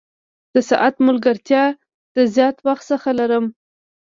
د ساعت ملګرتیا د زیات وخت څخه لرم.